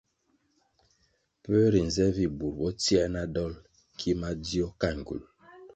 Pue rinze vi burʼ bo tsie na dolʼ ki madzio ka ngywulʼ?